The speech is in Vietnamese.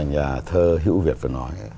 nhà thơ hữu việt vừa nói